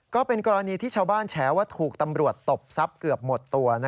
ก็เป็นกรณีที่ชาวบ้านแฉว่าถูกตำรวจตบทรัพย์เกือบหมดตัว